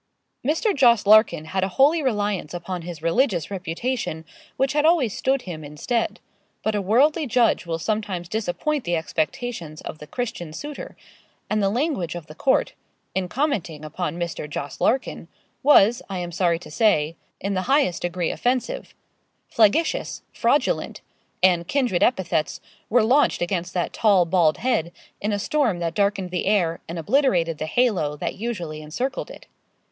Mr. Jos. Larkin had a holy reliance upon his religious reputation, which had always stood him in stead. But a worldly judge will sometimes disappoint the expectations of the Christian suitor; and the language of the Court, in commenting upon Mr. Jos. Larkin, was, I am sorry to say, in the highest degree offensive 'flagitious,' 'fraudulent,' and kindred epithets, were launched against that tall, bald head, in a storm that darkened the air and obliterated the halo that usually encircled it.